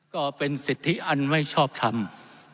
ก็เป็นสิทธิอันไม่ชอบทำ